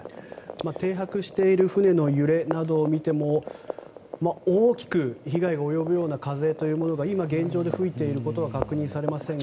停泊している船の揺れなどを見ても大きく被害が及ぶような風というものが今、現状で吹いていることは確認されませんが。